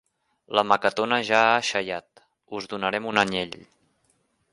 La Maquetona ja ha xaiat: us donarem un anyell.